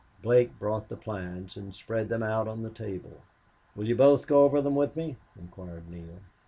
Blake brought the plans and spread them out on the table. "Will you both go over them with me?" inquired Neale.